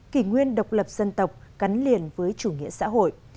kỷ nguyên độc lập dân tộc gắn liền với chủ nghĩa xã hội